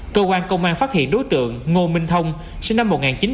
cơ quan công an phát hiện đối tượng ngô minh thông sinh năm một nghìn chín trăm tám mươi